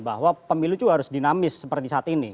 bahwa pemilu juga harus dinamis seperti saat ini